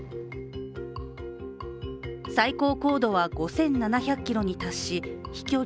最高高度は５７００ｋｍに達し飛距離